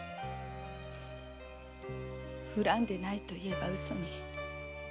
「恨んでない」と言えば嘘に。